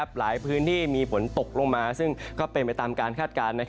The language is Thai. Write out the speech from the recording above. หลายพื้นที่มีฝนตกลงมาซึ่งก็เป็นไปตามการคาดการณ์